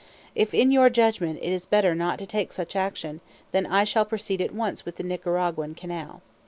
If in your judgment it is better not to take such action, then I shall proceed at once with the Nicaraguan canal.